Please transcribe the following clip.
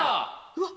うわ！